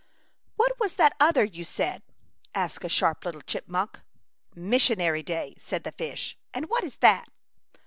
'' What was that other you said ?" asked a sharp little chipmunk. " Missionary Day/* said the fish. "And what is that?